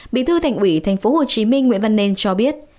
bí thư thành ủy tp hcm nguyễn văn nên cho biết